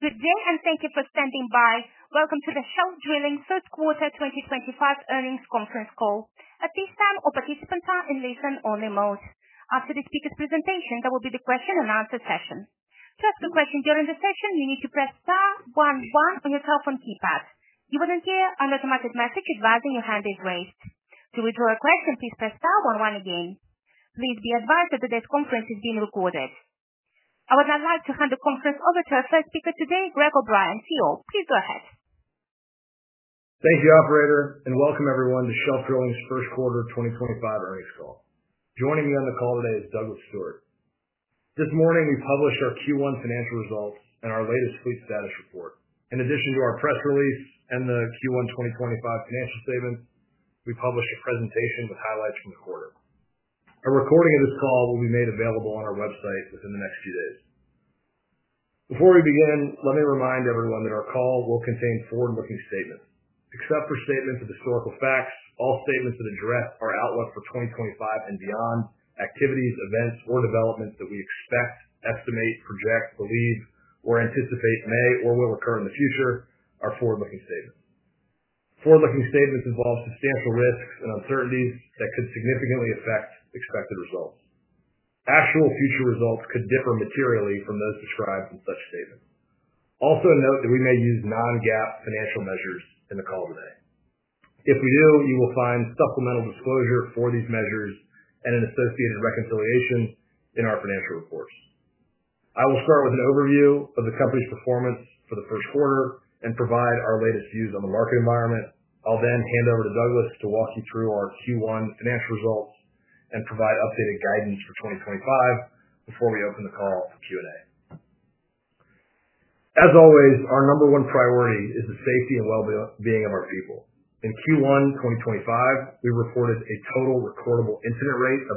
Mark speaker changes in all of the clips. Speaker 1: Good day and thank you for standing by. Welcome to the Shelf Drilling first quarter 2025 earnings conference call. At this time, all participants are in listen-only mode. After the speaker's presentation, there will be the question-and-answer session. To ask a question during the session, you need to press star one one on your telephone keypad. You will then hear an automated message advising your hand is raised. To withdraw a question, please press star one ne again. Please be advised that today's conference is being recorded. I would now like to hand the conference over to our first speaker today, Greg O’Brien, CEO. Please go ahead.
Speaker 2: Thank you, Operator, and welcome everyone to Shelf Drilling's first quarter 2025 earnings call. Joining me on the call today is Douglas Stewart. This morning, we published our Q1 financial results and our latest fleet status report. In addition to our press release and the Q1 2025 financial statements, we published a presentation with highlights from the quarter. A recording of this call will be made available on our website within the next few days. Before we begin, let me remind everyone that our call will contain forward-looking statements. Except for statements of historical facts, all statements that address our outlook for 2025 and beyond, activities, events, or developments that we expect, estimate, project, believe, or anticipate may or will occur in the future are forward-looking statements. Forward-looking statements involve substantial risks and uncertainties that could significantly affect expected results. Actual future results could differ materially from those described in such statements. Also note that we may use non-GAAP financial measures in the call today. If we do, you will find supplemental disclosure for these measures and an associated reconciliation in our financial reports. I will start with an overview of the company's performance for the first quarter and provide our latest views on the market environment. I'll then hand over to Douglas to walk you through our Q1 financial results and provide updated guidance for 2025 before we open the call for Q&A. As always, our number one priority is the safety and well-being of our people. In Q1 2025, we reported a total recordable incident rate of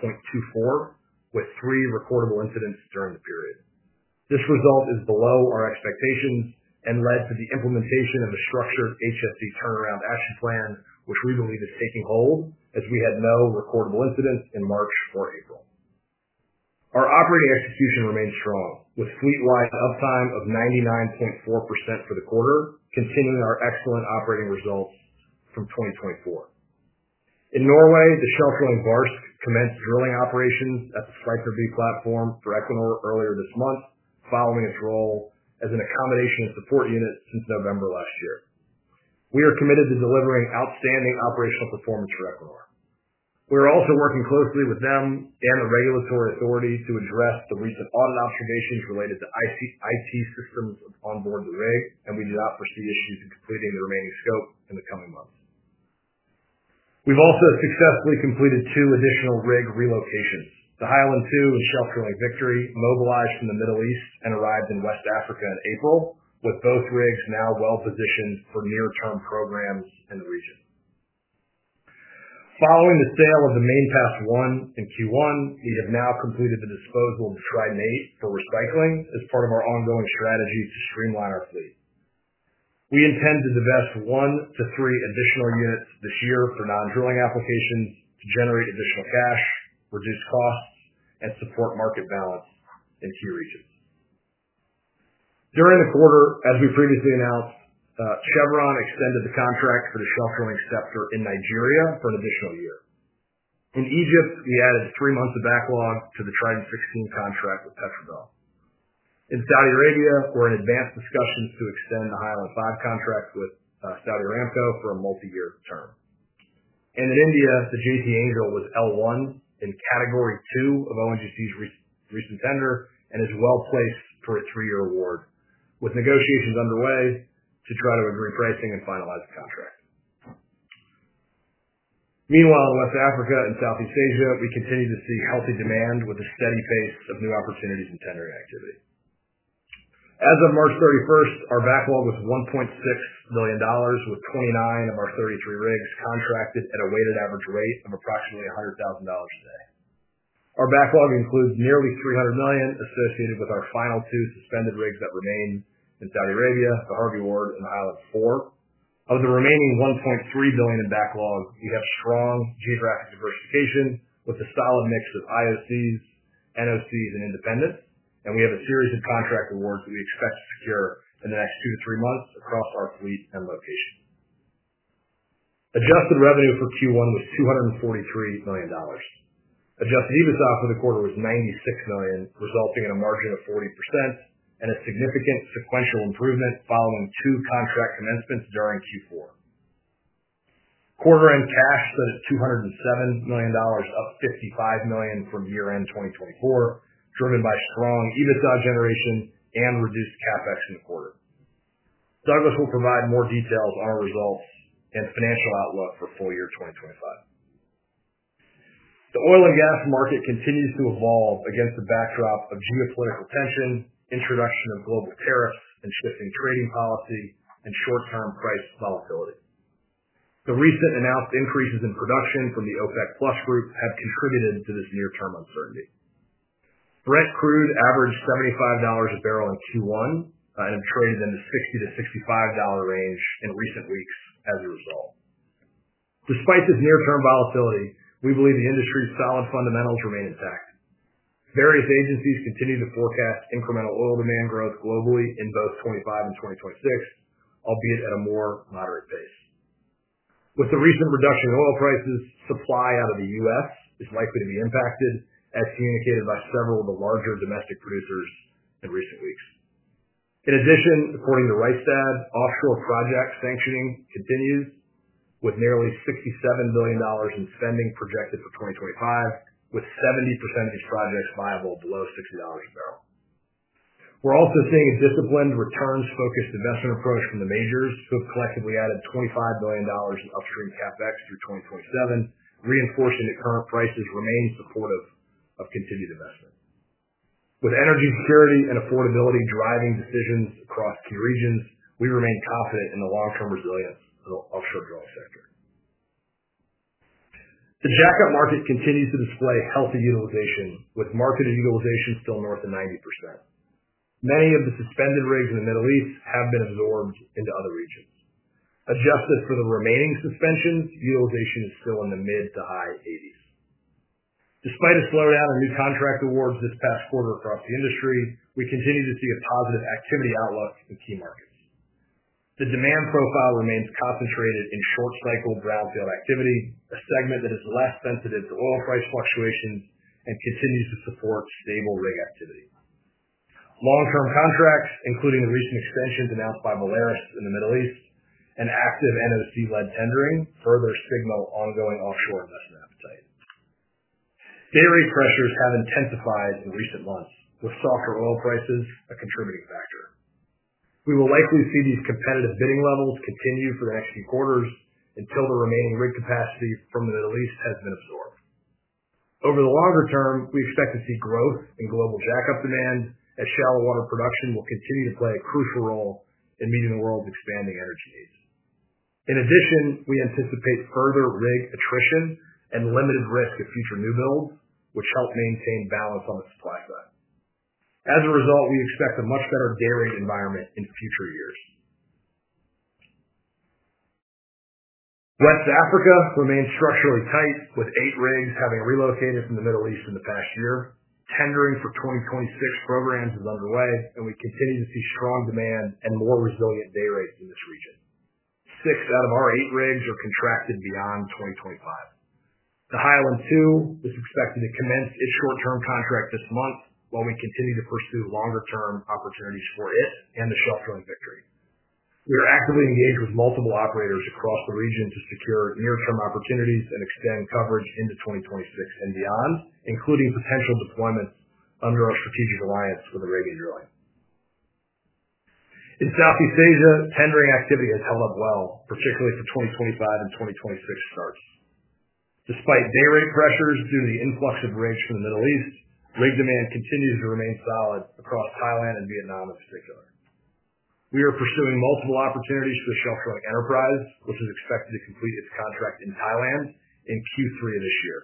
Speaker 2: 0.24, with three recordable incidents during the period. This result is below our expectations and led to the implementation of a structured HSE turnaround action plan, which we believe is taking hold as we had no recordable incidents in March or April. Our operating execution remained strong, with fleet-wide uptime of 99.4% for the quarter, continuing our excellent operating results from 2024. In Norway, the Shelf Drilling Barsk commenced drilling operations at the [Skipperby] platform for Equinor earlier this month, following its role as an accommodation and support unit since November last year. We are committed to delivering outstanding operational performance for Equinor. We are also working closely with them and the regulatory authority to address the recent audit observations related to IT systems onboard the rig, and we do not foresee issues in completing the remaining scope in the coming months. We've also successfully completed two additional rig relocations. The Highland II and Shelf Drilling Victory mobilized from the Middle East and arrived in West Africa in April, with both rigs now well-positioned for near-term programs in the region. Following the sale of the Main Pass I in Q1, we have now completed the disposal of the Trident VIII for recycling as part of our ongoing strategy to streamline our fleet. We intend to divest one to three additional units this year for non-drilling applications to generate additional cash, reduce costs, and support market balance in key regions. During the quarter, as we previously announced, Chevron extended the contract for the Shelf Drilling Sentinel in Nigeria for an additional year. In Egypt, we added three months of backlog to the Trident XVI contract with Petrobel. In Saudi Arabia, we're in advanced discussions to extend the Highland V contract with Saudi Aramco for a multi-year term. In India, the JT Angel was L1 in category two of ONGC's recent tender and is well-placed for a three-year award, with negotiations underway to try to agree pricing and finalize the contract. Meanwhile, in West Africa and Southeast Asia, we continue to see healthy demand with a steady pace of new opportunities and tendering activity. As of March 31, our backlog was $1.6 billion, with 29 of our 33 rigs contracted at a weighted average rate of approximately $100,000 today. Our backlog includes nearly $300 million associated with our final two suspended rigs that remain in Saudi Arabia, the Harvey Ward and the Highland IV. Of the remaining $1.3 billion in backlog, we have strong geographic diversification with a solid mix of IOCs, NOCs, and independents, and we have a series of contract awards that we expect to secure in the next two to three months across our fleet and location. Adjusted revenue for Q1 was $243 million. Adjusted EBITDA for the quarter was $96 million, resulting in a margin of 40% and a significant sequential improvement following two contract commencements during Q4. Quarter-end cash set at $207 million, up $55 million from year-end 2024, driven by strong EBITDA generation and reduced CapEx in the quarter. Douglas will provide more details on our results and financial outlook for full year 2025. The oil and gas market continues to evolve against the backdrop of geopolitical tension, introduction of global tariffs, and shifting trading policy and short-term price volatility. The recent announced increases in production from the OPEC+ group have contributed to this near-term uncertainty. Brent crude averaged $75 a barrel in Q1 and have traded in the $60-$65 range in recent weeks as a result. Despite this near-term volatility, we believe the industry's solid fundamentals remain intact. Various agencies continue to forecast incremental oil demand growth globally in both 2025 and 2026, albeit at a more moderate pace. With the recent reduction in oil prices, supply out of the U.S. is likely to be impacted, as communicated by several of the larger domestic producers in recent weeks. In addition, according to Rystad, offshore project sanctioning continues, with nearly $67 billion in spending projected for 2025, with 70% of these projects viable below $60 a barrel. We're also seeing a disciplined, returns-focused investment approach from the majors, who have collectively added $25 million in upstream CapEx through 2027, reinforcing that current prices remain supportive of continued investment. With energy security and affordability driving decisions across key regions, we remain confident in the long-term resilience of the offshore drilling sector. The jack-up market continues to display healthy utilization, with market utilization still north of 90%. Many of the suspended rigs in the Middle East have been absorbed into other regions. Adjusted for the remaining suspensions, utilization is still in the mid to high 80%. Despite a slowdown in new contract awards this past quarter across the industry, we continue to see a positive activity outlook in key markets. The demand profile remains concentrated in short-cycle brownfield activity, a segment that is less sensitive to oil price fluctuations and continues to support stable rig activity. Long-term contracts, including the recent extensions announced by Valaris in the Middle East and active NOC-led tendering, further signal ongoing offshore investment appetite. Gate rate pressures have intensified in recent months, with softer oil prices a contributing factor. We will likely see these competitive bidding levels continue for the next few quarters until the remaining rig capacity from the Middle East has been absorbed. Over the longer term, we expect to see growth in global jack-up demand as shallow water production will continue to play a crucial role in meeting the world's expanding energy needs. In addition, we anticipate further rig attrition and limited risk of future new builds, which help maintain balance on the supply side. As a result, we expect a much better gate rate environment in future years. West Africa remains structurally tight, with eight rigs having relocated from the Middle East in the past year. Tendering for 2026 programs is underway, and we continue to see strong demand and more resilient gate rates in this region. Six out of our eight rigs are contracted beyond 2025. The Highland II is expected to commence its short-term contract this month, while we continue to pursue longer-term opportunities for it and the Shelf Drilling Victory. We are actively engaged with multiple operators across the region to secure near-term opportunities and extend coverage into 2026 and beyond, including potential deployments under our strategic alliance with Arabian Drilling. In Southeast Asia, tendering activity has held up well, particularly for 2025 and 2026 starts. Despite gate rate pressures due to the influx of rigs from the Middle East, rig demand continues to remain solid across Thailand and Vietnam in particular. We are pursuing multiple opportunities for the Shelf Drilling Enterprise, which is expected to complete its contract in Thailand in Q3 of this year.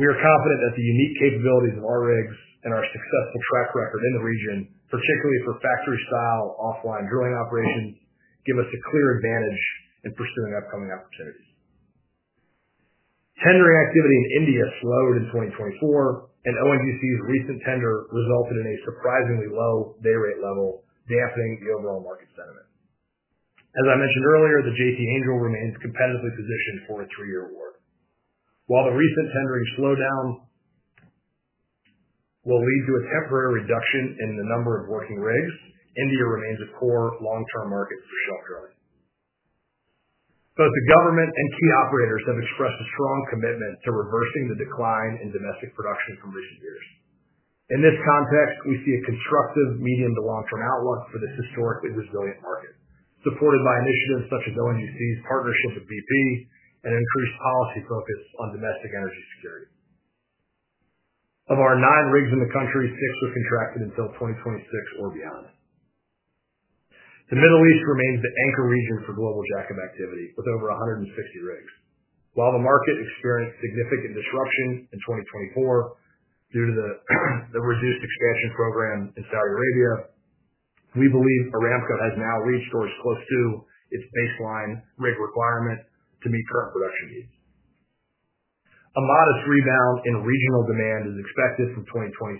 Speaker 2: We are confident that the unique capabilities of our rigs and our successful track record in the region, particularly for factory-style offline drilling operations, give us a clear advantage in pursuing upcoming opportunities. Tendering activity in India slowed in 2024, and ONGC's recent tender resulted in a surprisingly low gate rate level, dampening the overall market sentiment. As I mentioned earlier, the JT Angel remains competitively positioned for a three-year award. While the recent tendering slowdown will lead to a temporary reduction in the number of working rigs, India remains a core long-term market for Shelf Drilling. Both the government and key operators have expressed a strong commitment to reversing the decline in domestic production from recent years. In this context, we see a constructive medium to long-term outlook for this historically resilient market, supported by initiatives such as ONGC's partnership with BP and increased policy focus on domestic energy security. Of our nine rigs in the country, six were contracted until 2026 or beyond. The Middle East remains the anchor region for global jack-up activity, with over 160 rigs. While the market experienced significant disruption in 2024 due to the reduced expansion program in Saudi Arabia, we believe Aramco has now reached or is close to its baseline rig requirement to meet current production needs. A modest rebound in regional demand is expected from 2026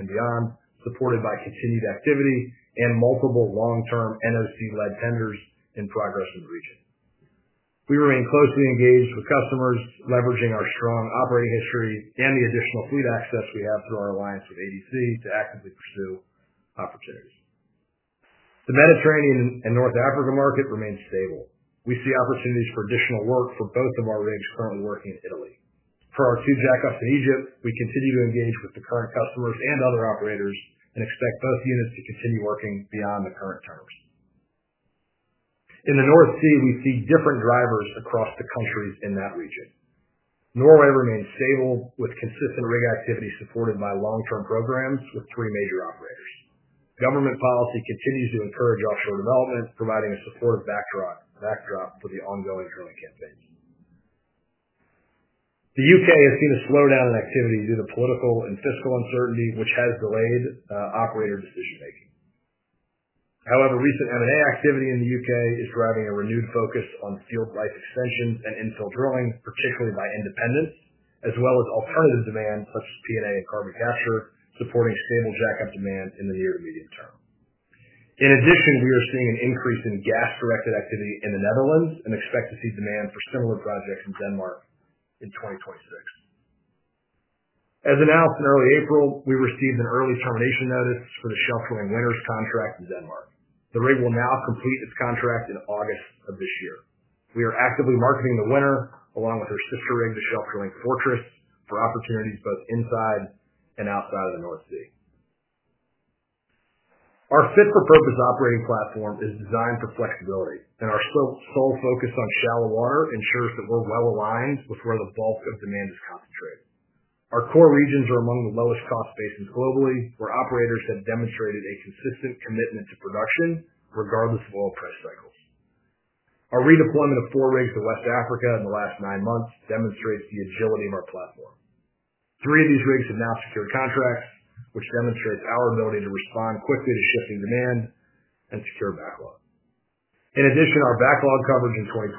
Speaker 2: and beyond, supported by continued activity and multiple long-term NOC-led tenders in progress in the region. We remain closely engaged with customers, leveraging our strong operating history and the additional fleet access we have through our alliance with ADC to actively pursue opportunities. The Mediterranean and North Africa market remains stable. We see opportunities for additional work for both of our rigs currently working in Italy. For our two jack-ups in Egypt, we continue to engage with the current customers and other operators and expect both units to continue working beyond the current terms. In the North Sea, we see different drivers across the countries in that region. Norway remains stable, with consistent rig activity supported by long-term programs with three major operators. Government policy continues to encourage offshore development, providing a supportive backdrop for the ongoing drilling campaigns. The U.K. has seen a slowdown in activity due to political and fiscal uncertainty, which has delayed operator decision-making. However, recent M&A activity in the U.K. is driving a renewed focus on field life extensions and infill drilling, particularly by independents, as well as alternative demand such as P&A and carbon capture, supporting stable jack-up demand in the near to medium term. In addition, we are seeing an increase in gas-directed activity in the Netherlands and expect to see demand for similar projects in Denmark in 2026. As announced in early April, we received an early termination notice for the Shelf Drilling Winner's contract in Denmark. The rig will now complete its contract in August of this year. We are actively marketing the Winner, along with her sister rig, the Shelf Drilling Fortress, for opportunities both inside and outside of the North Sea. Our fit-for-purpose operating platform is designed for flexibility, and our sole focus on shallow water ensures that we're well aligned with where the bulk of demand is concentrated. Our core regions are among the lowest cost basins globally, where operators have demonstrated a consistent commitment to production, regardless of oil price cycles. Our redeployment of four rigs to West Africa in the last nine months demonstrates the agility of our platform. Three of these rigs have now secured contracts, which demonstrates our ability to respond quickly to shifting demand and secure backlog. In addition, our backlog coverage in 2025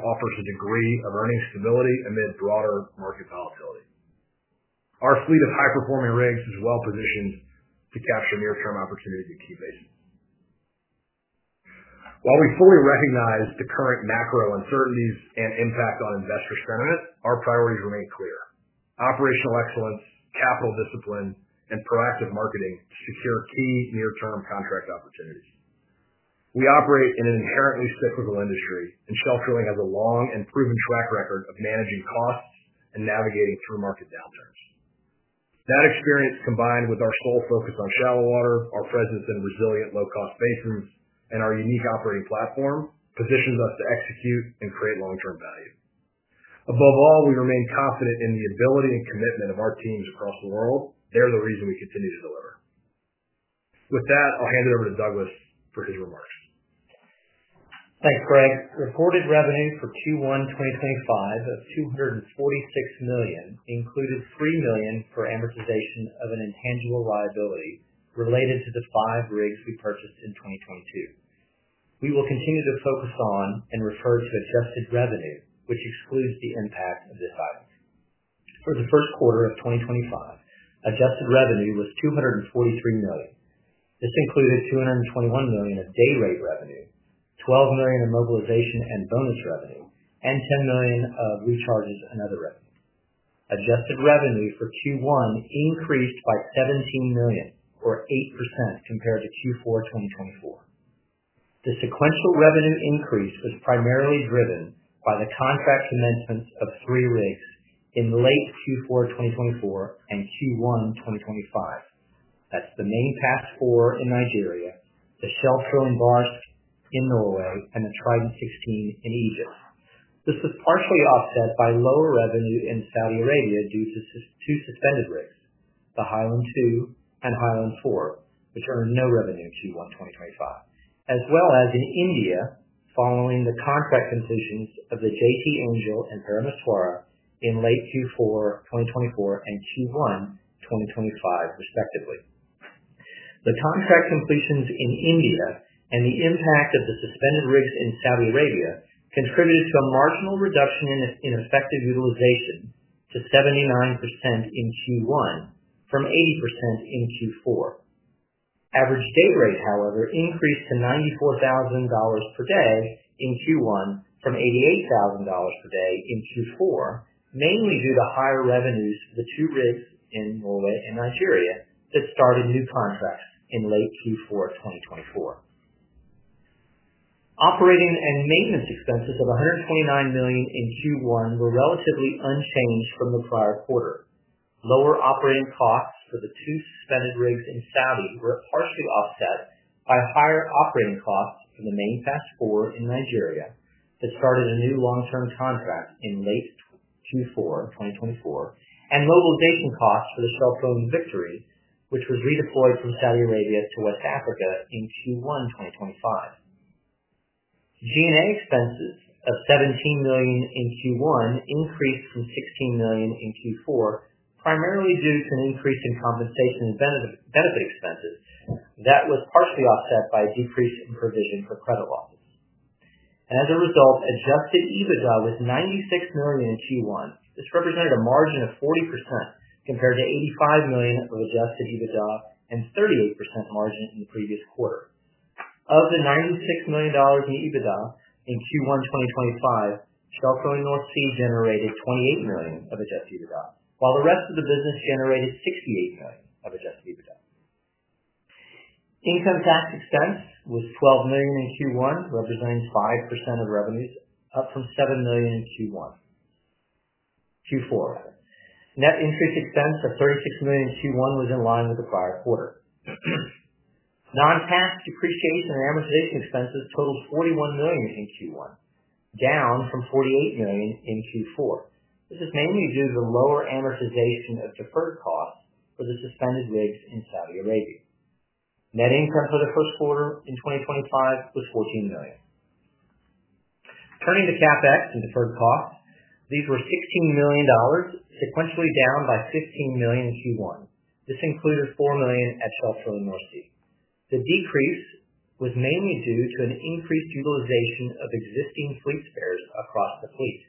Speaker 2: offers a degree of earning stability amid broader market volatility. Our fleet of high-performing rigs is well-positioned to capture near-term opportunities at key basins. While we fully recognize the current macro uncertainties and impact on investor sentiment, our priorities remain clear: operational excellence, capital discipline, and proactive marketing to secure key near-term contract opportunities. We operate in an inherently cyclical industry, and Shelf Drilling has a long and proven track record of managing costs and navigating through market downturns. That experience, combined with our sole focus on shallow water, our presence in resilient low-cost basins, and our unique operating platform, positions us to execute and create long-term value. Above all, we remain confident in the ability and commitment of our teams across the world. They're the reason we continue to deliver. With that, I'll hand it over to Douglas for his remarks.
Speaker 3: Thanks, Greg. Reported revenue for Q1 2025 of $246 million included $3 million for amortization of an intangible liability related to the five rigs we purchased in 2022. We will continue to focus on and refer to adjusted revenue, which excludes the impact of this item. For the first quarter of 2025, adjusted revenue was $243 million. This included $221 million of gate rate revenue, $12 million of mobilization and bonus revenue, and $10 million of recharges and other revenue. Adjusted revenue for Q1 increased by $17 million, or 8%, compared to Q4 2024. The sequential revenue increase was primarily driven by the contract commencements of three rigs in late Q4 2024 and Q1 2025. That's the Main Pass IV in Nigeria, the Shelf Drilling Barsk in Norway, and the Trident XVI in Egypt. This was partially offset by lower revenue in Saudi Arabia due to two suspended rigs, the Highland II and Highland IV, which earned no revenue Q1 2025, as well as in India following the contract completions of the JT Angel and Perisai in late Q4 2024 and Q1 2025, respectively. The contract completions in India and the impact of the suspended rigs in Saudi Arabia contributed to a marginal reduction in effective utilization to 79% in Q1 from 80% in Q4. Average gate rate, however, increased to $94,000 per day in Q1 from $88,000 per day in Q4, mainly due to higher revenues for the two rigs in Norway and Nigeria that started new contracts in late Q4 2024. Operating and maintenance expenses of $129 million in Q1 were relatively unchanged from the prior quarter. Lower operating costs for the two suspended rigs in Saudi were partially offset by higher operating costs for the Main Pass IV in Nigeria that started a new long-term contract in late Q4 2024, and mobilization costs for the Shelf Drilling Victory, which was redeployed from Saudi Arabia to West Africa in Q1 2025. G&A expenses of $17 million in Q1 increased from $16 million in Q4, primarily due to an increase in compensation and benefit expenses that was partially offset by a decrease in provision for credit losses. As a result, Adjusted EBITDA was $96 million in Q1. This represented a margin of 40% compared to $85 million of Adjusted EBITDA and 38% margin in the previous quarter. Of the $96 million in EBITDA in Q1 2025, Shelf Drilling North Sea generated $28 million of Adjusted EBITDA, while the rest of the business generated $68 million of Adjusted EBITDA. Income tax expense was $12 million in Q1, representing 5% of revenues, up from $7 million in Q4. Net interest expense of $36 million in Q1 was in line with the prior quarter. Non-tax depreciation and amortization expenses totaled $41 million in Q1, down from $48 million in Q4. This is mainly due to the lower amortization of deferred costs for the suspended rigs in Saudi Arabia. Net income for the first quarter in 2025 was $14 million. Turning to CapEx and deferred costs, these were $16 million, sequentially down by $15 million in Q1. This included $4 million at Shelf Drilling North Sea. The decrease was mainly due to an increased utilization of existing fleet spares across the fleet,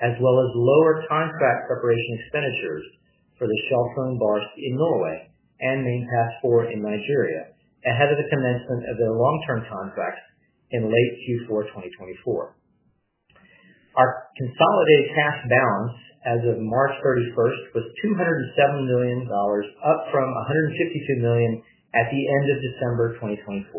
Speaker 3: as well as lower contract preparation expenditures for the Shelf Drilling Barsk in Norway and Main Pass IV in Nigeria ahead of the commencement of their long-term contracts in late Q4 2024. Our consolidated cash balance as of March 31 was $207 million, up from $152 million at the end of December 2024.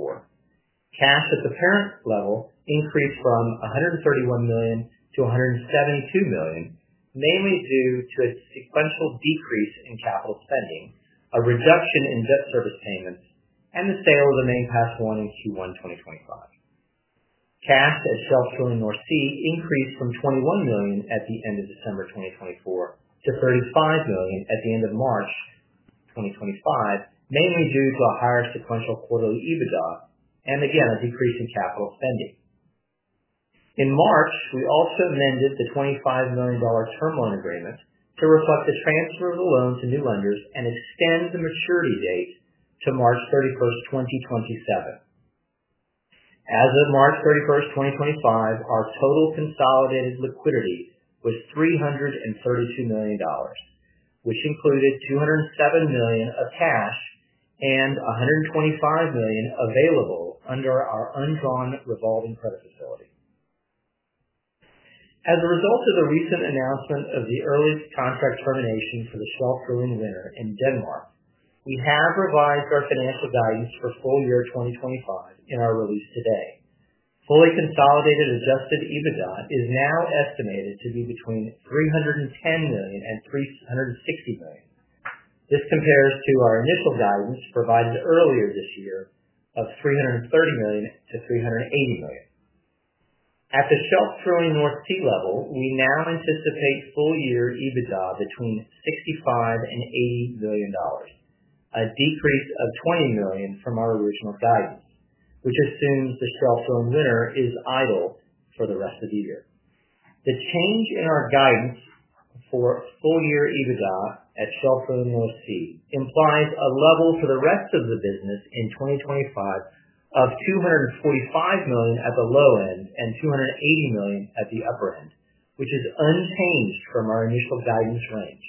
Speaker 3: Cash at the parent level increased from $131 million to $172 million, mainly due to a sequential decrease in capital spending, a reduction in debt service payments, and the sale of the Main Pass I in Q1 2025. Cash at Shelf Drilling North Sea increased from $21 million at the end of December 2024 to $35 million at the end of March 2025, mainly due to a higher sequential quarterly EBITDA and, again, a decrease in capital spending. In March, we also amended the $25 million term loan agreement to reflect the transfer of the loan to new lenders and extend the maturity date to March 31, 2027. As of March 31, 2025, our total consolidated liquidity was $332 million, which included $207 million of cash and $125 million available under our undrawn Revolving Credit Facility. As a result of the recent announcement of the early contract termination for the Shelf Drilling Winner in Denmark, we have revised our financial guidance for full year 2025 in our release today. Fully consolidated Adjusted EBITDA is now estimated to be between $310 million and $360 million. This compares to our initial guidance provided earlier this year of $330 million-$380 million. At the Shelf Drilling North Sea level, we now anticipate full year EBITDA between $65 million and $80 million, a decrease of $20 million from our original guidance, which assumes the Shelf Drilling Winner is idle for the rest of the year. The change in our guidance for full year EBITDA at Shelf Drilling North Sea implies a level for the rest of the business in 2025 of $245 million at the low end and $280 million at the upper end, which is unchanged from our initial guidance range.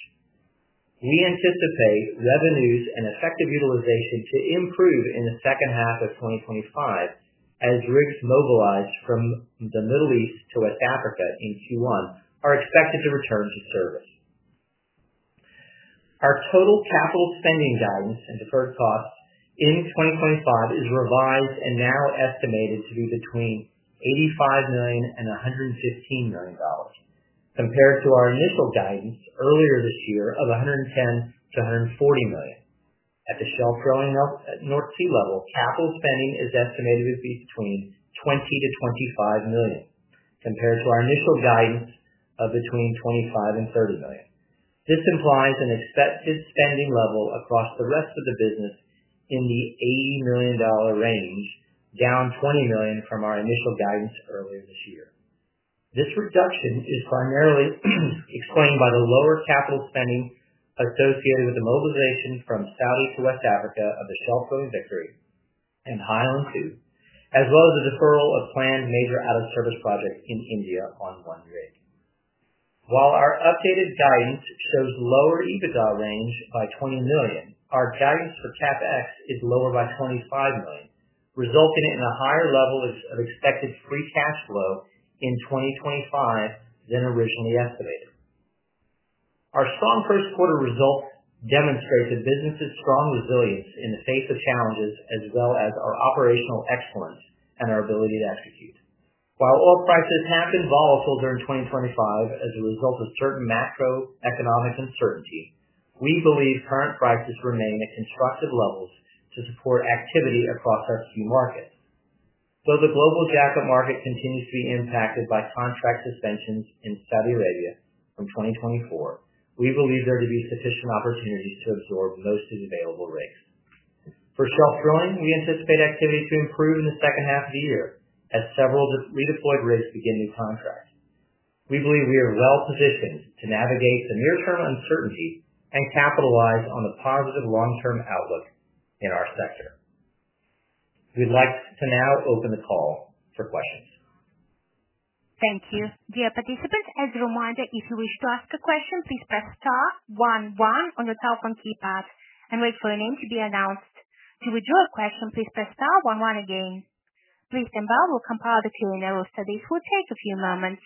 Speaker 3: We anticipate revenues and effective utilization to improve in the second half of 2025 as rigs mobilized from the Middle East to West Africa in Q1 are expected to return to service. Our total capital spending guidance and deferred costs in 2025 is revised and now estimated to be between $85 million and $115 million, compared to our initial guidance earlier this year of $110 million-$140 million. At the Shelf Drilling North Sea level, capital spending is estimated to be between $20 million-$25 million, compared to our initial guidance of between $25 million and $30 million. This implies an expected spending level across the rest of the business in the $80 million range, down $20 million from our initial guidance earlier this year. This reduction is primarily explained by the lower capital spending associated with the mobilization from Saudi Arabia to West Africa of the Shelf Drilling Victory and Highland II, as well as the deferral of planned major out-of-service projects in India on one rig. While our updated guidance shows lower EBITDA range by $20 million, our guidance for CapEx is lower by $25 million, resulting in a higher level of expected free cash flow in 2025 than originally estimated. Our strong first quarter results demonstrate the business's strong resilience in the face of challenges, as well as our operational excellence and our ability to execute. While oil prices have been volatile during 2025 as a result of certain macroeconomic uncertainty, we believe current prices remain at constructive levels to support activity across our key markets. Though the global jack-up market continues to be impacted by contract suspensions in Saudi Arabia from 2024, we believe there to be sufficient opportunities to absorb most of the available rigs. For Shelf Drilling, we anticipate activity to improve in the second half of the year as several redeployed rigs begin new contracts. We believe we are well positioned to navigate the near-term uncertainty and capitalize on the positive long-term outlook in our sector. We'd like to now open the call for questions.
Speaker 1: Thank you. Dear participants, as a reminder, if you wish to ask a question, please press star one one on your telephone keypad and wait for your name to be announced. To withdraw a question, please press star one one again. Please standby, we'll compile the Q&A roster. This will take a few moments.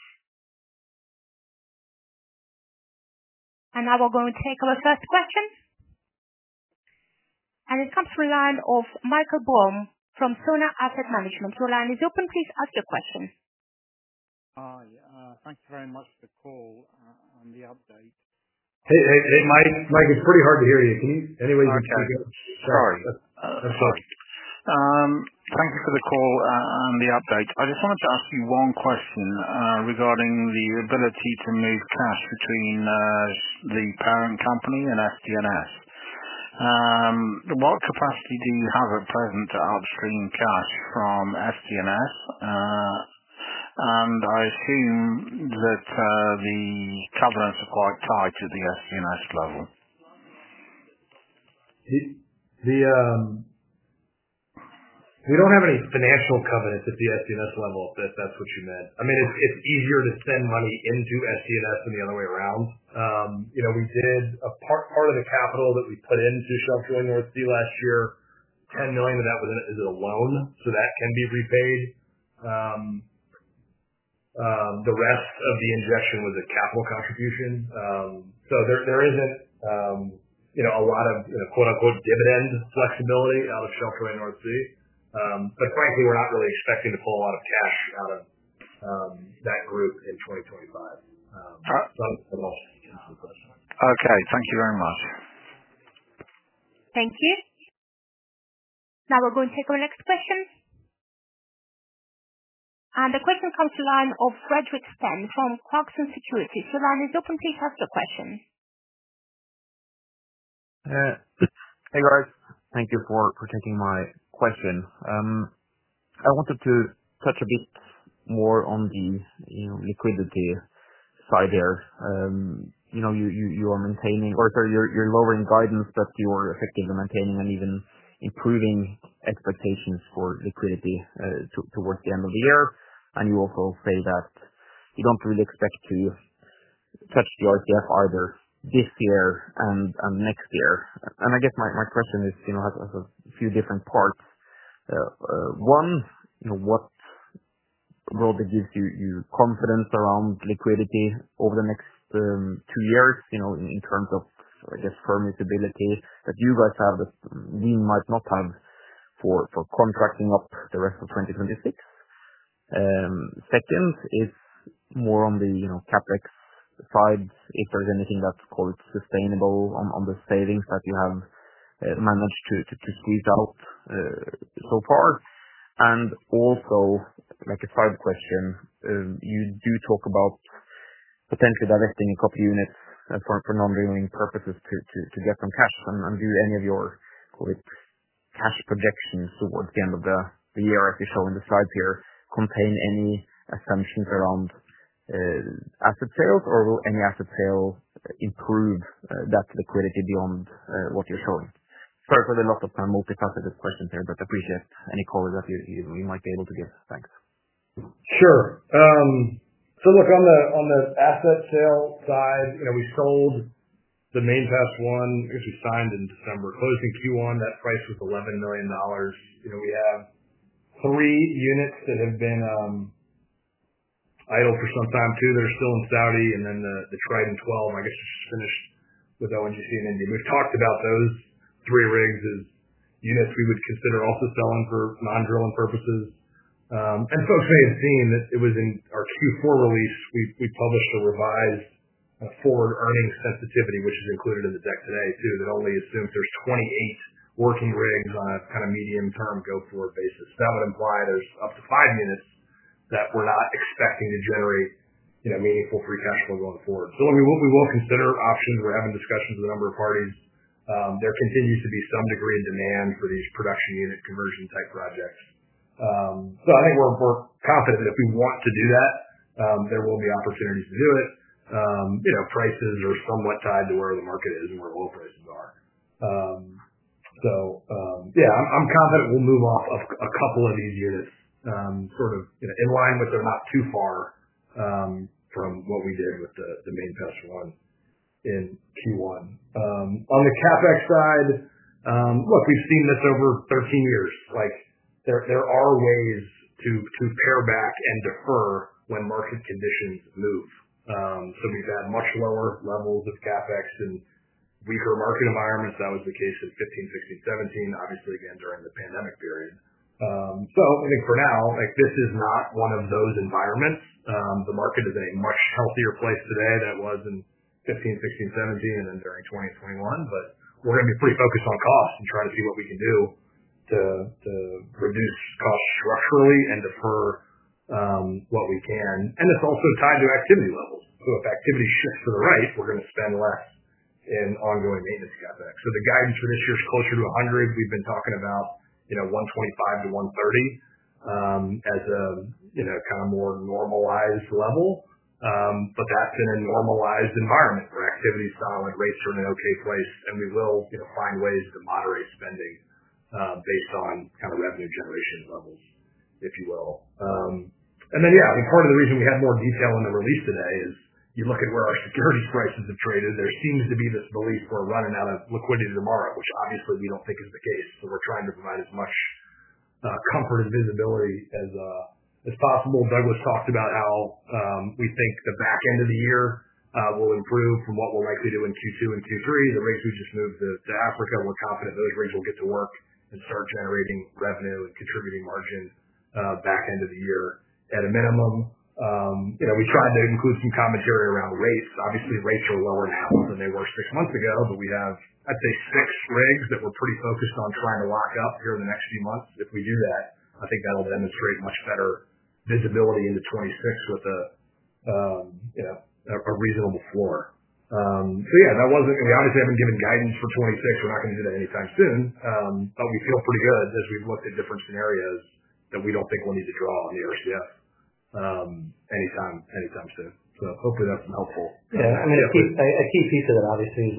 Speaker 1: Now we're going to take our first question. It comes from the line of Michael Boam from Sona Asset Management. Your line is open. Please ask your question.
Speaker 4: Thank you very much for the call and the update.
Speaker 2: Hey, Mike, it's pretty hard to hear you. Can you—anyway, you can— Sorry. Sorry.
Speaker 4: Thank you for the call and the update. I just wanted to ask you one question regarding the ability to move cash between the parent company and SD&S. What capacity do you have at present to upstream cash from SD&S? I assume that the covenants are quite tied to the SD&S level.
Speaker 2: We do not have any financial covenants at the SD&S level, if that is what you meant. I mean, it is easier to send money into SD&S than the other way around. We did a part of the capital that we put into Shelf Drilling North Sea last year, $10 million of that was a loan, so that can be repaid. The rest of the injection was a capital contribution. There is not a lot of "dividend flexibility" out of Shelf Drilling North Sea. Frankly, we are not really expecting to pull a lot of cash out of that group in 2025. I do not think that answers the question.
Speaker 4: Okay. Thank you very much.
Speaker 1: Thank you. Now we are going to take our next question. The question comes from the line of Fredrik Stene from Clarksons Securities. Your line is open. Please ask your question.
Speaker 5: Hey, guys. Thank you for taking my question. I wanted to touch a bit more on the liquidity side there. You are maintaining, or sorry, you are lowering guidance but you are effectively maintaining and even improving expectations for liquidity towards the end of the year. You also say that you do not really expect to touch the RCF either this year or next year. I guess my question has a few different parts. One, what really gives you confidence around liquidity over the next two years in terms of, I guess, firm usability that you guys have that we might not have for contracting up the rest of 2026? Second is more on the CapEx side, if there's anything that's called sustainable on the savings that you have managed to squeeze out so far. Also, like a side question, you do talk about potentially directing a couple of units for non-drilling purposes to get some cash. Do any of your cash projections towards the end of the year, as you show in the slides here, contain any assumptions around asset sales, or will any asset sale improve that liquidity beyond what you're showing? Sorry for the lots of multifaceted questions there, but appreciate any color that we might be able to give. Thanks. Sure.
Speaker 2: Look, on the asset sale side, we sold the Main Pass I, I guess we signed in December, closing Q1. That price was $11 million. We have three units that have been idle for some time too that are still in Saudi, and then the Trident XII, I guess, which is finished with ONGC in India. We've talked about those three rigs as units we would consider also selling for non-drilling purposes. Folks may have seen that it was in our Q4 release, we published a revised forward earnings sensitivity, which is included in the deck today too, that only assumes there's 28 working rigs on a kind of medium-term go-forward basis. That would imply there's up to five units that we're not expecting to generate meaningful free cash flow going forward. We will consider options. We're having discussions with a number of parties. There continues to be some degree of demand for these production unit conversion type projects. I think we're confident that if we want to do that, there will be opportunities to do it. Prices are somewhat tied to where the market is and where oil prices are. Yeah, I'm confident we'll move off a couple of these units sort of in line with they're not too far from what we did with the Main Pass I in Q1. On the CapEx side, look, we've seen this over 13 years. There are ways to pare back and defer when market conditions move. We've had much lower levels of CapEx in weaker market environments. That was the case in 2015, 2016, 2017, obviously, again, during the pandemic period. I think for now, this is not one of those environments. The market is in a much healthier place today than it was in 2015, 2016, 2017, and then during 2021. We are going to be pretty focused on cost and try to see what we can do to reduce costs structurally and defer what we can. It is also tied to activity levels. If activity shifts to the right, we are going to spend less in ongoing maintenance CapEx. The guidance for this year is closer to $100 million. We have been talking about $125 million-$130 million as a kind of more normalized level. That is in a normalized environment where activity is solid, rates are in an okay place, and we will find ways to moderate spending based on kind of revenue generation levels, if you will. Yeah, I think part of the reason we had more detail in the release today is you look at where our securities prices have traded, there seems to be this belief we're running out of liquidity tomorrow, which obviously we don't think is the case. We are trying to provide as much comfort and visibility as possible. Douglas talked about how we think the back end of the year will improve from what we'll likely do in Q2 and Q3. The rigs we just moved to Africa, we're confident those rigs will get to work and start generating revenue and contributing margin back end of the year at a minimum. We tried to include some commentary around rates. Obviously, rates are lower now than they were six months ago, but we have, I'd say, six rigs that we're pretty focused on trying to lock up here in the next few months. If we do that, I think that'll demonstrate much better visibility into 2026 with a reasonable floor. Yeah, that was not—we obviously have not given guidance for 2026. We are not going to do that anytime soon. I mean, we feel pretty good as we have looked at different scenarios that we do not think we will need to draw on the RCF anytime soon. Hopefully, that has been helpful.
Speaker 3: Yeah. I mean, a key piece of it, obviously, is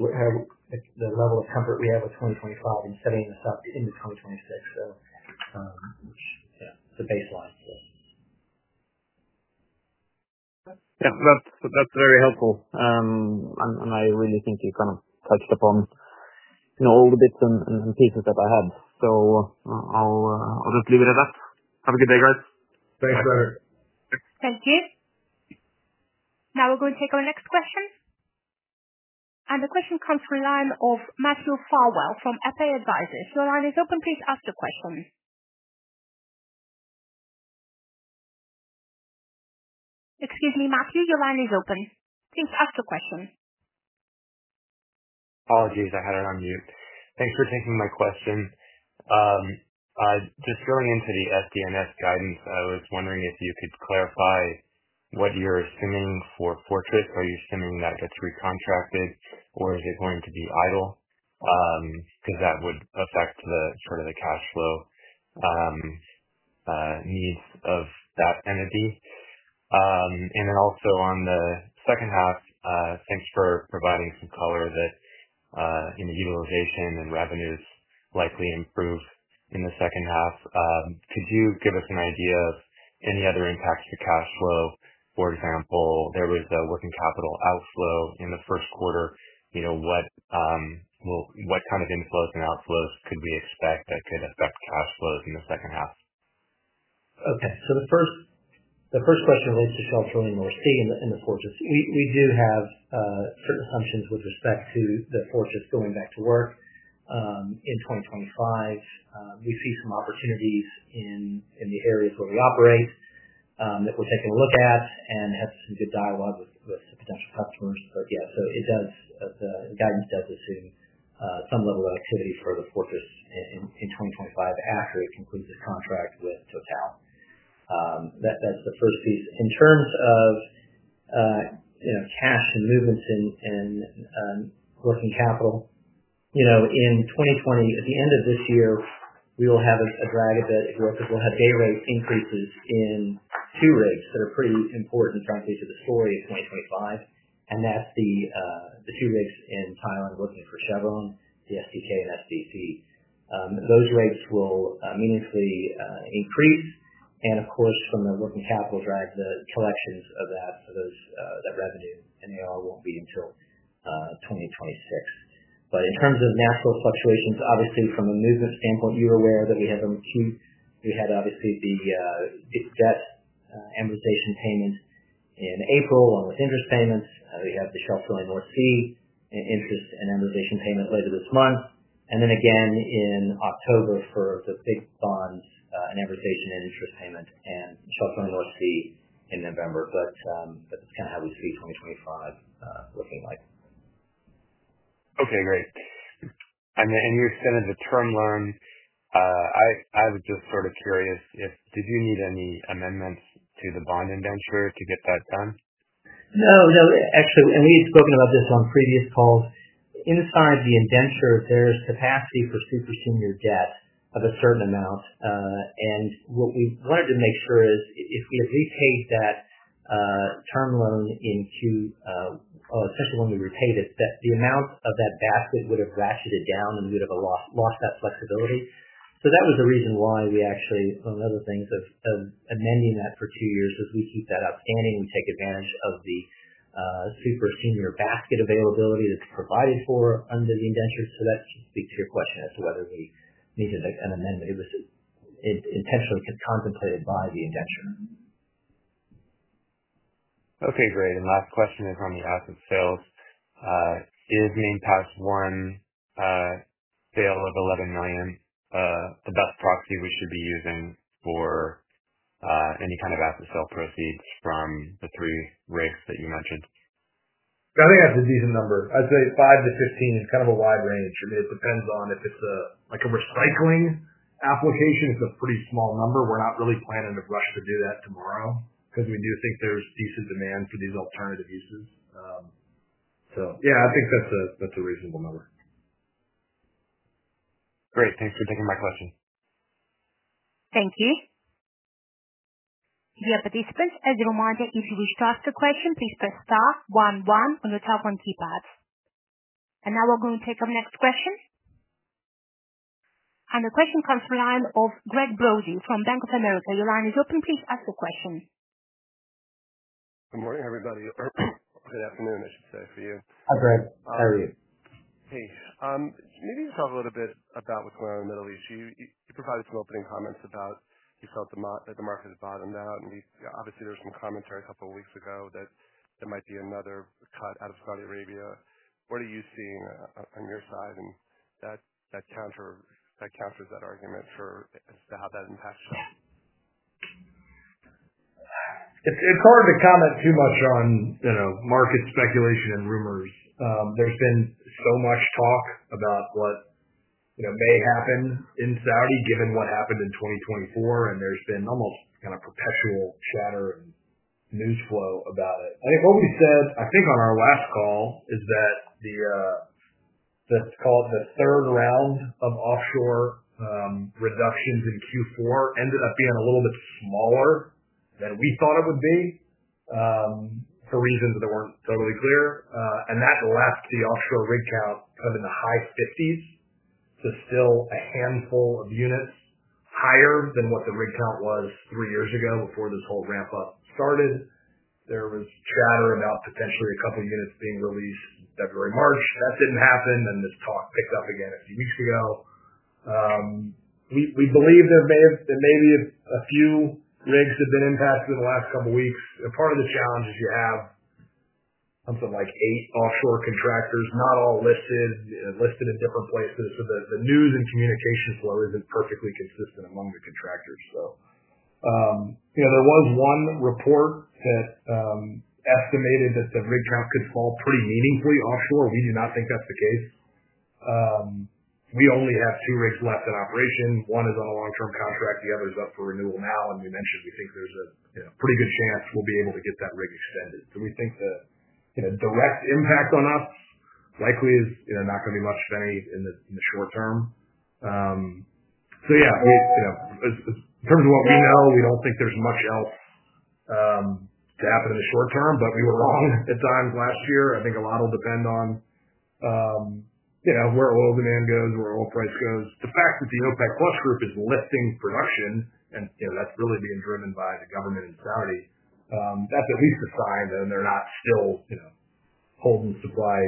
Speaker 3: the level of comfort we have with 2025 and setting this up into 2026, which, yeah, is a baseline.
Speaker 5: Yeah. That is very helpful. I really think you kind of touched upon all the bits and pieces that I had. So I'll just leave it at that. Have a good day, guys.
Speaker 2: Thanks, Fredrik.
Speaker 1: Thank you. Now we're going to take our next question. The question comes from the line of Matthew Farwell from FA Advisors. Your line is open. Please ask your question. Excuse me, Matthew, your line is open. Please ask your question.
Speaker 6: Apologies. I had it on mute. Thanks for taking my question. Just filling into the SD&S guidance, I was wondering if you could clarify what you're assuming for Fortress. Are you assuming that gets recontracted, or is it going to be idle? Because that would affect sort of the cash flow needs of that entity. Also on the second half, thanks for providing some color that utilization and revenues likely improve in the second half. Could you give us an idea of any other impacts to cash flow? For example, there was a working capital outflow in the first quarter. What kind of inflows and outflows could we expect that could affect cash flows in the second half?
Speaker 2: Okay. The first question relates to Shelf Drilling North Sea and the Fortress. We do have certain assumptions with respect to the Fortress going back to work in 2025. We see some opportunities in the areas where we operate that we're taking a look at and have some good dialogue with potential customers. Yeah, the guidance does assume some level of activity for the Fortress in 2025 after it concludes its contract with TotalEnergies. That's the first piece. In terms of cash and movements and working capital, in 2020, at the end of this year, we will have a drag a bit because we'll have day rate increases in two rigs that are pretty important, frankly, to the story of 2025. That's the two rigs in Thailand working for Chevron, the SDK and SDC. Those rigs will meaningfully increase. Of course, from the working capital drive, the collections of that revenue and AR won't be until 2026. In terms of natural fluctuations, obviously, from a movement standpoint, you're aware that we have an acute—we had, obviously, the debt amortization payment in April along with interest payments. We have the Shelf Drilling North Sea interest and amortization payment later this month. Then again in October for the big bonds and amortization and interest payment and Shelf Drilling North Sea in November. That is kind of how we see 2025 looking like.
Speaker 6: Okay. Great. You extended the term loan. I was just sort of curious if you needed any amendments to the bond indenture to get that done?
Speaker 2: No, no. Actually, we had spoken about this on previous calls. Inside the indenture, there is capacity for super senior debt of a certain amount. What we wanted to make sure is if we had repaid that term loan in Q, especially when we repaid it, the amount of that basket would have ratcheted down and we would have lost that flexibility. That was the reason why we actually, among other things, are amending that for two years because we keep that outstanding. We take advantage of the super senior basket availability that is provided for under the indenture. That speaks to your question as to whether we needed an amendment. It was intentionally contemplated by the indenture.
Speaker 6: Okay. Great. Last question is on the asset sales. Is Main Pass I sale of $11 million the best proxy we should be using for any kind of asset sale proceeds from the three rigs that you mentioned?
Speaker 3: I think that's a decent number. I'd say $5 million-$15 million is kind of a wide range. I mean, it depends on if it's a recycling application. It's a pretty small number. We're not really planning to rush to do that tomorrow because we do think there's decent demand for these alternative uses. Yeah, I think that's a reasonable number.
Speaker 6: Great. Thanks for taking my question.
Speaker 1: Thank you. Dear participants, as reminded, if you wish to ask a question, please press star one one on your telephone keypads. We are going to take our next question. The question comes from the line of Gregg Brody from Bank of America. Your line is open. Please ask your question.
Speaker 7: Good morning, everybody. Or good afternoon, I should say, for you.
Speaker 2: Hi, Greg. How are you?
Speaker 7: Hey. Maybe you can talk a little bit about what is going on in the Middle East. You provided some opening comments about you felt that the market had bottomed out. Obviously, there was some commentary a couple of weeks ago that there might be another cut out of Saudi Arabia. What are you seeing on your side that counters that argument as to how that impacts you?
Speaker 2: It is hard to comment too much on market speculation and rumors. There's been so much talk about what may happen in Saudi given what happened in 2024, and there's been almost kind of perpetual chatter and news flow about it. I think what we said, I think on our last call, is that the, let's call it the third round of offshore reductions in Q4 ended up being a little bit smaller than we thought it would be for reasons that weren't totally clear. That left the offshore rig count kind of in the high 50s to still a handful of units higher than what the rig count was three years ago before this whole ramp-up started. There was chatter about potentially a couple of units being released in February/March. That didn't happen, and this talk picked up again a few weeks ago. We believe there may be a few rigs that have been impacted in the last couple of weeks. Part of the challenge is you have something like eight offshore contractors, not all listed in different places. The news and communication flow is not perfectly consistent among the contractors. There was one report that estimated that the rig count could fall pretty meaningfully offshore. We do not think that is the case. We only have two rigs left in operation. One is on a long-term contract. The other is up for renewal now. We mentioned we think there is a pretty good chance we will be able to get that rig extended. We think the direct impact on us likely is not going to be much of any in the short term. Yeah, in terms of what we know, we do not think there is much else to happen in the short term, but we were wrong at times last year. I think a lot will depend on where oil demand goes, where oil price goes. The fact that the OPEC+ group is lifting production and that is really being driven by the government in Saudi, that is at least a sign that they are not still holding supply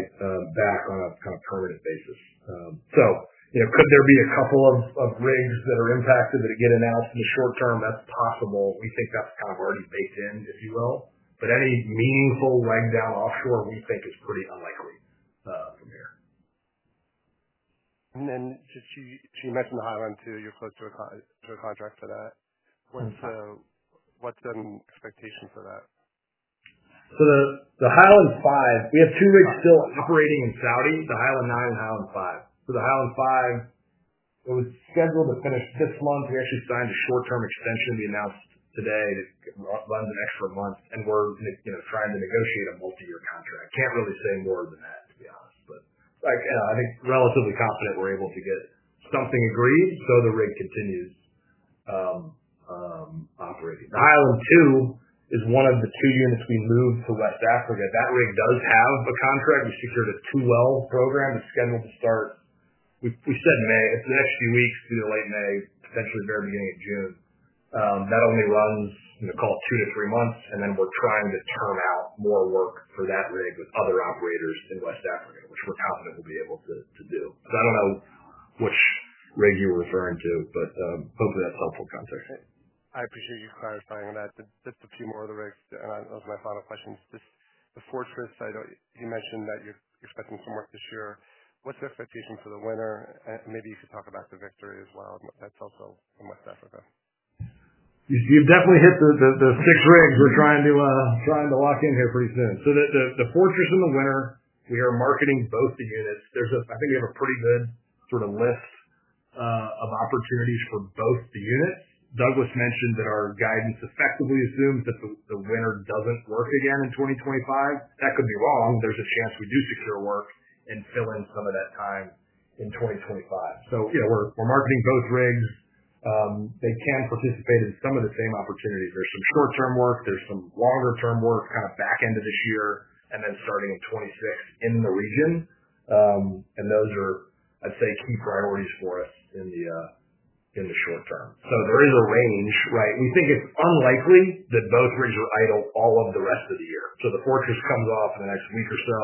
Speaker 2: back on a kind of permanent basis. Could there be a couple of rigs that are impacted that get announced in the short term? That is possible. We think that is kind of already baked in, if you will. Any meaningful leg down offshore, we think, is pretty unlikely from here.
Speaker 7: You mentioned the Highland II. You are close to a contract for that. What is an expectation for that?
Speaker 2: The Highland V, we have two rigs still operating in Saudi Arabia, the Highland IX and Highland V. The Highland V was scheduled to finish this month. We actually signed a short-term extension we announced today that runs an extra month. We're trying to negotiate a multi-year contract. Can't really say more than that, to be honest. I think relatively confident we're able to get something agreed so the rig continues operating. The Highland II is one of the two units we moved to West Africa. That rig does have a contract. We secured a two-well program. It's scheduled to start, we said, May. It's the next few weeks, either late May, potentially very beginning of June. That only runs, call it two to three months. We're trying to turn out more work for that rig with other operators in West Africa, which we're confident we'll be able to do. I don't know which rig you're referring to, but hopefully that's helpful context.
Speaker 7: I appreciate you clarifying that. Just a few more of the rigs. Those are my final questions. The Fortritt, you mentioned that you're expecting some work this year. What's the expectation for the Winner? Maybe you could talk about the Victory as well. That's also in West Africa.
Speaker 2: You've definitely hit the six rigs we're trying to lock in here pretty soon. The Fortritt and the Winner, we are marketing both the units. I think we have a pretty good sort of list of opportunities for both the units. Douglas mentioned that our guidance effectively assumes that the Winner doesn't work again in 2025. That could be wrong. There's a chance we do secure work and fill in some of that time in 2025. We're marketing both rigs. They can participate in some of the same opportunities. There's some short-term work. There's some longer-term work kind of back into this year and then starting in 2026 in the region. Those are, I'd say, key priorities for us in the short term. There is a range, right? We think it's unlikely that both rigs are idle all of the rest of the year. The Fortress comes off in the next week or so,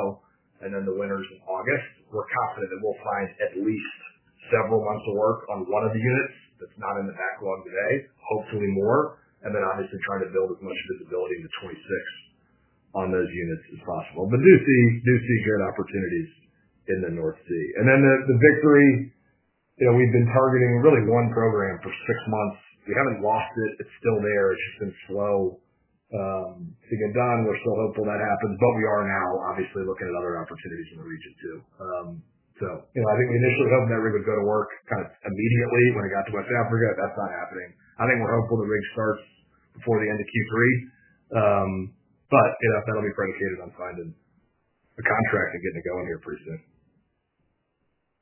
Speaker 2: and then the Winner's in August. We're confident that we'll find at least several months of work on one of the units that's not in the backlog today, hopefully more. Obviously, trying to build as much visibility into 2026 on those units as possible. Do see good opportunities in the North Sea. The Victory, we've been targeting really one program for six months. We haven't lost it. It's still there. It's just been slow to get done. We're still hopeful that happens. We are now, obviously, looking at other opportunities in the region too. I think we initially hoped that rig would go to work kind of immediately when it got to West Africa. That's not happening. I think we're hopeful the rig starts before the end of Q3. That'll be predicated on finding a contract and getting it going here pretty soon.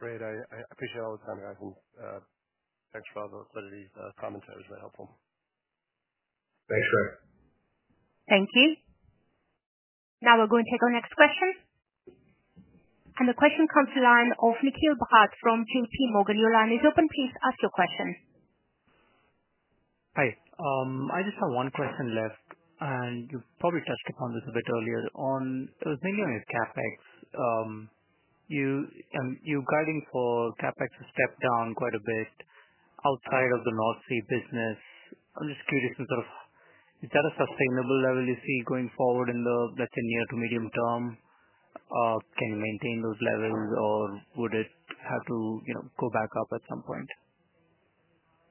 Speaker 7: Great. I appreciate all the time you're having. Thanks for all the validity. Commentary has been helpful.
Speaker 2: Thanks, Gregg.
Speaker 1: Thank you. Now we're going to take our next question. The question comes from the line of Nikhil Bhat from JPMorgan. Your line is open. Please ask your question.
Speaker 8: Hi. I just have one question left. You probably touched upon this a bit earlier. It was mainly on your CapEx. You're guiding for CapEx to step down quite a bit outside of the North Sea business. I'm just curious in sort of, is that a sustainable level you see going forward in the, let's say, near to medium term? Can you maintain those levels, or would it have to go back up at some point?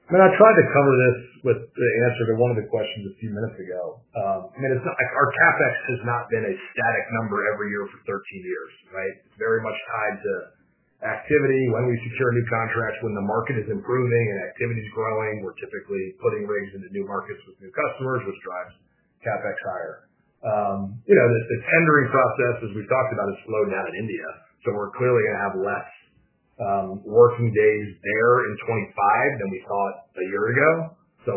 Speaker 2: I mean, I tried to cover this with the answer to one of the questions a few minutes ago. I mean, our CapEx has not been a static number every year for 13 years, right? It's very much tied to activity. When we secure new contracts, when the market is improving and activity is growing, we're typically putting rigs into new markets with new customers, which drives CapEx higher. The tendering process, as we've talked about, is slowed down in India. We're clearly going to have less working days there in 2025 than we thought a year ago.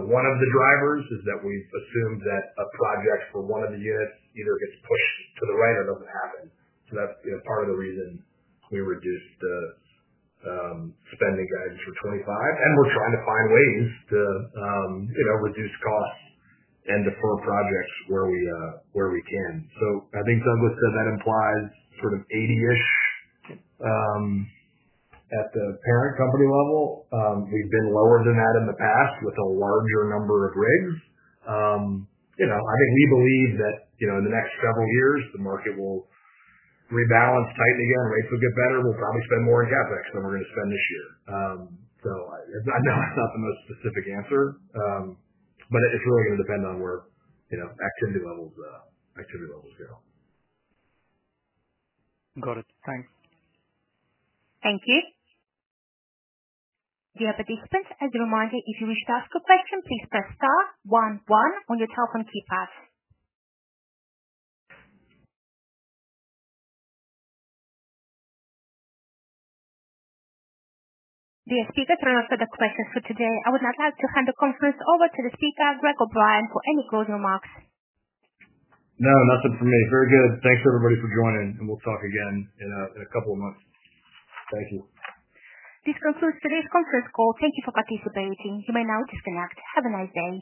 Speaker 2: One of the drivers is that we've assumed that a project for one of the units either gets pushed to the right or doesn't happen. That's part of the reason we reduced the spending guidance for 2025. We're trying to find ways to reduce costs and defer projects where we can. I think Douglas said that implies sort of 80-ish at the parent company level. We've been lower than that in the past with a larger number of rigs. I think we believe that in the next several years, the market will rebalance tightly again. Rates will get better. We'll probably spend more in CapEx than we're going to spend this year. I know it's not the most specific answer, but it's really going to depend on where activity levels go.
Speaker 8: Got it. Thanks.
Speaker 1: Thank you. Dear participants, as a reminder, if you wish to ask a question, please press star one one on your telephone keypads. Dear speakers, those are the questions for today. I would now like to hand the conference over to the speaker, Greg O’Brien, for any closing remarks.
Speaker 2: No, nothing from me. Very good. Thanks, everybody, for joining. We'll talk again in a couple of months. Thank you.
Speaker 1: This concludes today's conference call. Thank you for participating. You may now disconnect. Have a nice day.